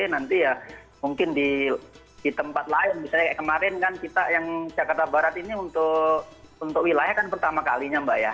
nanti ya mungkin di tempat lain misalnya kayak kemarin kan kita yang jakarta barat ini untuk wilayah kan pertama kalinya mbak ya